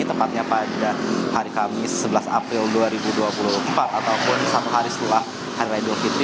tepatnya pada hari kamis sebelas april dua ribu dua puluh empat ataupun satu hari setelah hari raya idul fitri